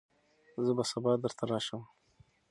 زه به سبا درته راشم.